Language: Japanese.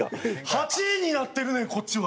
８位になってるねんこっちは。